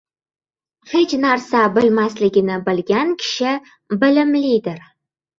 • Hech narsa bilmasligini bilgan kishi bilimlidir.